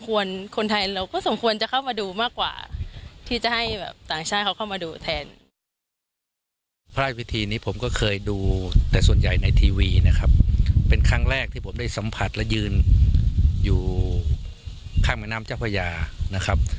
พระราชวิธีนี้ผมก็เคยดูแต่ส่วนใหญ่ในทีวีนะครับเป็นครั้งแรกที่ผมได้สัมผัสและยืนอยู่ข้างแม่น้ำเจ้าพญานะครับ